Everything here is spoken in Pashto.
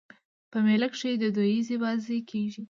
په مېله کښي دودیزي بازۍ کېږي.